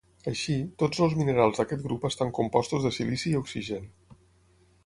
Així, tots els minerals d'aquest grup estan compostos de silici i oxigen.